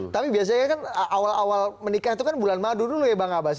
tapi biasanya kan awal awal menikah itu kan bulan madu dulu ya bang abbas